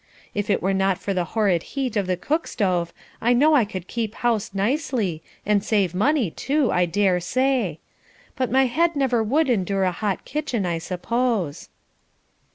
If it were not for the horrid heat of the cook stove, I know I could keep house nicely, and save money, too, I dare say; but, my head never would endure a hot kitchen, I suppose."